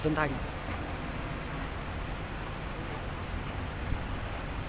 trong xe tân thanh